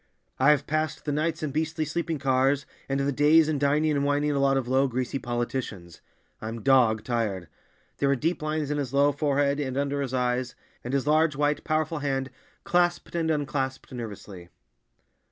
"I've passed the nights in beastly sleeping cars, and the days in dining and wining a lot of low, greasy politicians. I'm dog tired." There were deep lines in his low forehead and under his eyes—and his large, white, powerful hand clasped and unclasped nervously.